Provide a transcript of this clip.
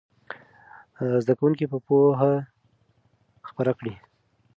زده کوونکي به پوهه خپره کړي.